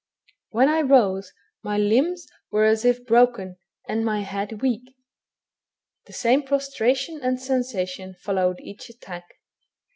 When I rose, my limbs were as if broken, and my head weak. The same prostration and sensation followed each attack.